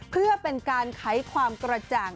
เพื่อเป็นการไขความกระจ่าง